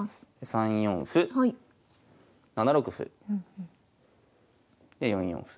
３四歩７六歩。で４四歩。